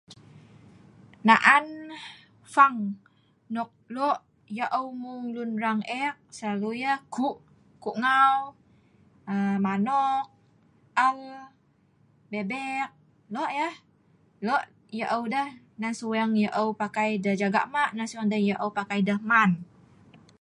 Naan hfang nok lo' yaeu mung lun rang ek, selalu yah ku', ku'ngau, aa manok, al, bebek, lo' yah, lo' yaeu deh, nan seweng yaeu pakai deh jaga ma' nan seweng yaeu pakai deh man.